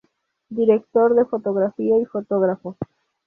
Director de Fotografía y Fotógrafo.